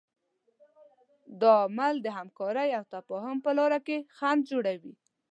دا عامل د همکارۍ او تفاهم په لاره کې خنډ جوړوي.